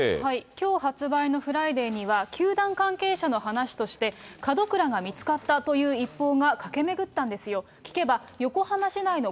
きょう発売のフライデーには球団関係者の話として、門倉が見つかったという一報が駆け巡ったんですよ。